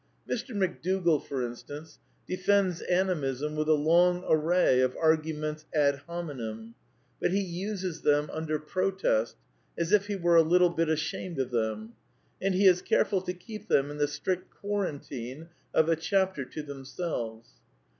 Mr. McDougall, for instance, defends Animism with a long array of arguments ad hominem; but he uses them under protest, as if he were a little bit ashamed of them; and he is careful to keep them in the strict quarantine of a chapter to themselves.